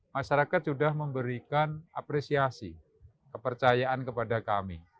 dua ribu sembilan belas masyarakat sudah memberikan apresiasi kepercayaan kepada kami